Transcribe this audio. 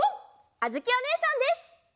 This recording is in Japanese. あづきおねえさんです！